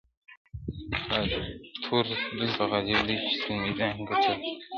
لا تور دلته غالِب دی سپین میدان ګټلی نه دی,